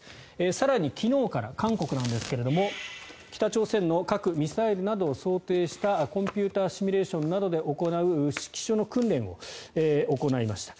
更に、昨日から韓国なんですが北朝鮮の核・ミサイルなどを想定したコンピューターシミュレーションなどで行う指揮所の訓練を行いました。